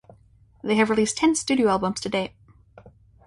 They have released ten studio albums to date.